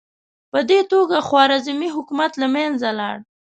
په دې توګه خوارزمي حکومت له منځه لاړ.